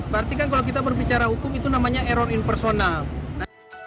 berarti kan kalau kita berbicara hukum itu namanya error in personal